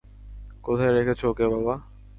কোথায় রেখেছো ওকে বাবা?